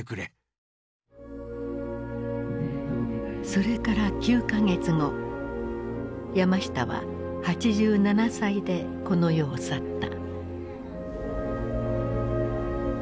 それから９か月後山下は８７歳でこの世を去った。